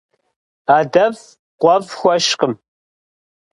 Адэфӏ къуэфӏ хуэщкъым.